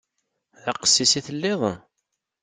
D aqessis i telliḍ?